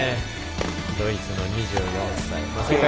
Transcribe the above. ドイツの２４歳。